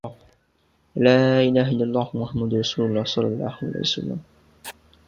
সেই থেকে বেশ কয়েকবার মসজিদটি পুনঃনির্মাণ ও স্থানান্তরিত করা হয়েছে।